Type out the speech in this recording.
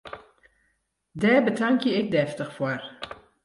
Dêr betankje ik deftich foar!